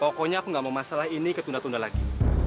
pokoknya aku nggak mau masalah ini ketunda tunda lagi